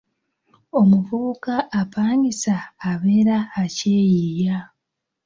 Omuvubuka apangisa abeera akyeyiiya.